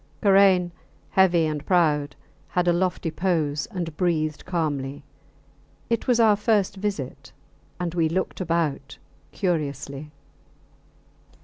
Karain, heavy and proud, had a lofty pose and breathed calmly. It was our first visit, and we looked about curiously.